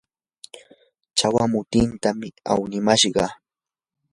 chawa mutitam awnimashqa.